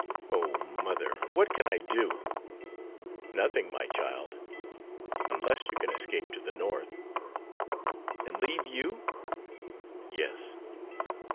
"Oh, mother, what can I do?" "Nothing, my child, unless you can escape to the North." "And leave you?" "Yes."